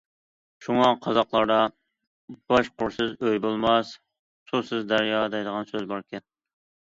شۇڭا، قازاقلاردا:‹‹ باش قۇرسىز ئۆي بولماس، سۇسىز دەريا›› دەيدىغان سۆز بار.